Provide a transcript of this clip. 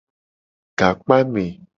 Gakpame.